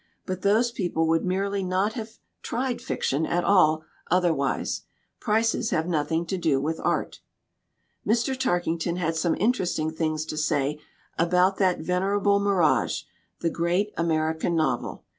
"But those people would merely not have * tried fiction' at all otherwise. Prices have nothing to do with art." Mr. Tarkington had some interesting things to say about that venerable mirage, the Great American Novel.